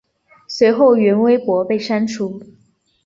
随后原微博被删除。